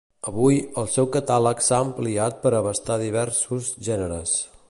Avui, el seu catàleg s'ha ampliat per abastar diversos gèneres.